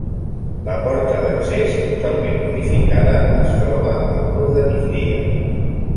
La porta d'accés, totalment modificada, es troba al mur de migdia.